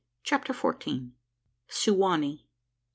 CHAPTER FOURTEEN. SU WA NEE.